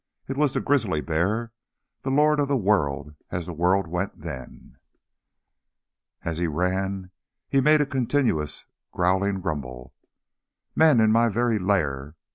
It was the grizzly bear, the lord of the world as the world went then. As he ran he made a continuous growling grumble. "Men in my very lair!